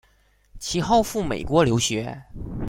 其后赴美国留学。